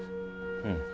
うん。